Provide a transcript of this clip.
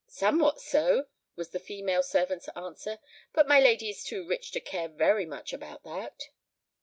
"Somewhat so," was the female servant's answer. "But my lady is too rich to care very much about that."